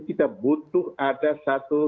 kita butuh ada satu